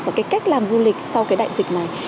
và cái cách làm du lịch sau cái đại dịch này